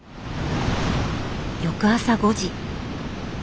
翌朝５時。